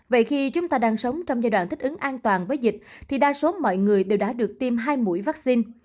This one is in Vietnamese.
vậy khi chúng ta đang sống trong giai đoạn thích ứng an toàn với dịch thì đa số mọi người đều đã được tiêm hai mũi vaccine